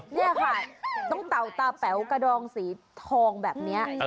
นี่ค่ะต้องเต่าตาแป๋วกระดองสีทองแบบนี้